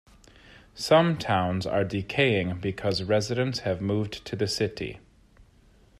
Some towns are decaying because residents have moved to the city.